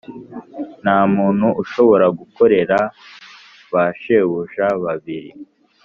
ntamuntu ushobora gukorera ba shebuja babiri